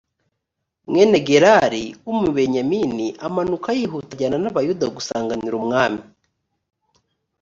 mwene gerari w umubenyamini amanuka yihuta ajyana n abayuda gusanganira umwami